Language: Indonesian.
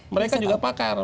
mereka juga pakar